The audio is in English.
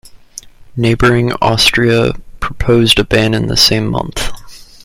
Neighbouring Austria proposed a ban in the same month.